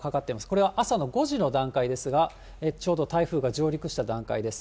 これは朝の５時の段階ですが、ちょうど台風が上陸した段階です。